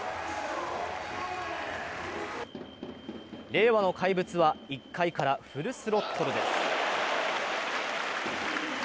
令和の怪物は１回からフルスロットルです。